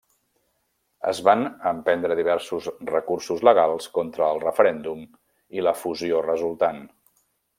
Es van emprendre diversos recursos legals contra el referèndum i la fusió resultant.